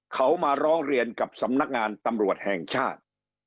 เขามาร้องเรียนกับสำนักงานตำรวจแห่งชาติ